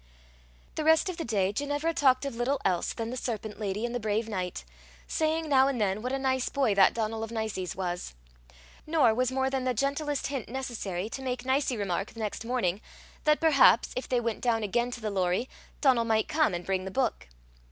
The rest of the day Ginevra talked of little else than the serpent lady and the brave knight, saying now and then what a nice boy that Donal of Nicie's was. Nor was more than the gentlest hint necessary to make Nicie remark, the next morning, that perhaps, if they went down again to the Lorrie, Donal might come, and bring the book.